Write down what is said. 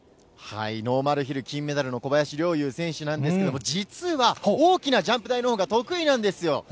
ノーマルヒル、金メダルの小林陵侑選手なんですけども、実は大きなジャンプ台のほうが得意なんですよ。